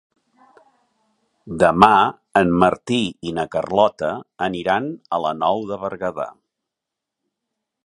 Demà en Martí i na Carlota aniran a la Nou de Berguedà.